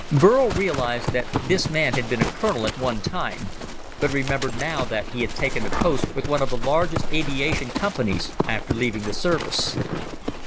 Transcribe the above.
Burl realized that this man had been a colonel at one time, but remembered now that he had taken a post with one of the largest aviation companies after leaving the service.